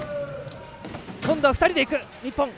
今度は２人でいく、日本。